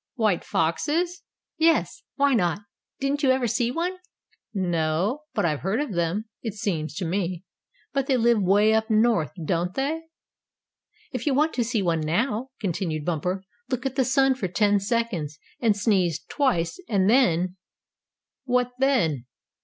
"White foxes?" "Yes, why not? Didn't you ever see one?" "No, but I've heard of them, it seems to me, but they live way up north, don't they?" "If you want to see one now," continued Bumper, "look at the sun for ten seconds, and sneeze twice, and then " "What then?"